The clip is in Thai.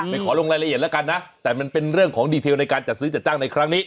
ขอลงรายละเอียดแล้วกันนะแต่มันเป็นเรื่องของดีเทลในการจัดซื้อจัดจ้างในครั้งนี้